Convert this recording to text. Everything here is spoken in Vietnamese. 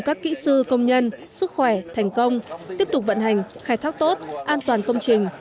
các kỹ sư công nhân sức khỏe thành công tiếp tục vận hành khai thác tốt an toàn công trình